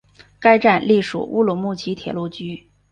该站隶属乌鲁木齐铁路局。